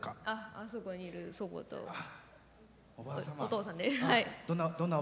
あそこにいる祖母とお父さん。